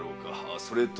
それとも？